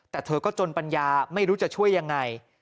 แต่เธอก็จนปัญญาไม่รู้จะช่วยยังไง